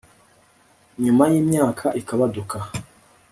nyuma y’imyaka ikabaduka